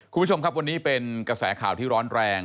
คุณผู้ชมครับวันนี้เป็นกระแสข่าวที่ร้อนแรง